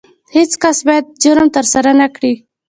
هیڅ کس باید جرم ترسره نه کړي.